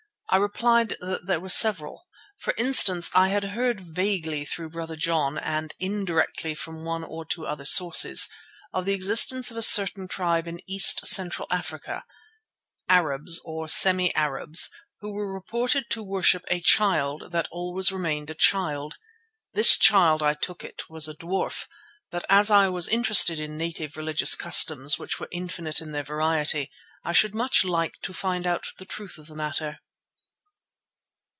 I replied that there were several. For instance, I had heard vaguely through Brother John, and indirectly from one or two other sources, of the existence of a certain tribe in East Central Africa—Arabs or semi Arabs—who were reported to worship a child that always remained a child. This child, I took it, was a dwarf; but as I was interested in native religious customs which were infinite in their variety, I should much like to find out the truth of the matter.